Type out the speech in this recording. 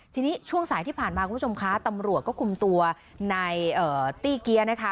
ทีนี้ช่วงสายที่ผ่านมาคุณผู้ชมคะตำรวจก็คุมตัวนายตี้เกี๊ยนะคะ